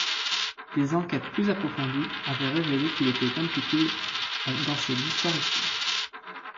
Des enquêtes plus approfondies avaient révélé qu’il était impliqué dans ces disparitions.